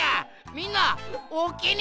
みんなおおきに！